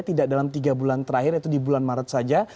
tidak dalam tiga bulan terakhir yaitu di bulan maret saja